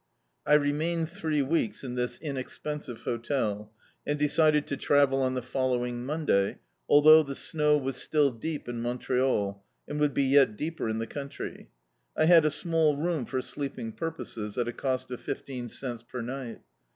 I remained three weeks in this inexpensive hotel, and decided to travel m the following Mcmday, althou^ the snow was still deep in Montreal, and would be yet deeper in the country. I had a small room for sleeping purposes, at a cost of fifteen cents per night.